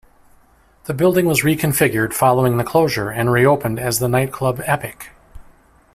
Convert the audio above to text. The building was reconfigured following the closure and reopened as the nightclub Epic.